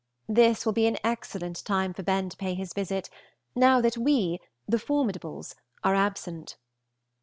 This will be an excellent time for Ben to pay his visit, now that we, the formidables, are absent.